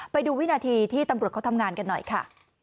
ไปดูวินาทีที่ตำรวจเขาทำงานกันหน่อยค่ะ